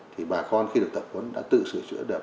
thì tập huấn đã tự sửa chữa được